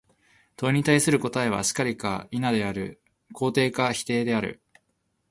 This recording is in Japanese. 問に対する答は、「然り」か「否」である、肯定か否定である。